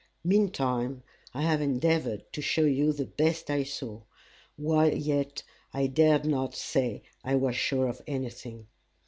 Meantime I have endeavoured to show you the best I saw, while yet I dared not say I was sure of anything.